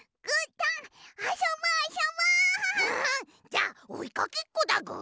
じゃあおいかけっこだぐ。